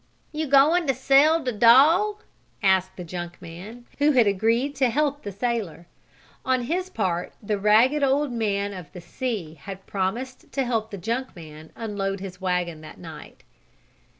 "You goin' t' sell de dog?" asked the junk man, who had agreed to help the sailor. On his part the ragged old man of the sea had promised to help the junk man unload his wagon that night.